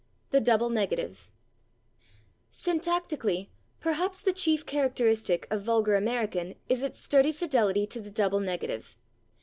§ 7 /The Double Negative/ Syntactically, perhaps the chief characteristic of vulgar American is its sturdy fidelity to the double negative.